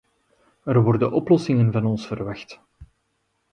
Er worden oplossingen van ons verwacht.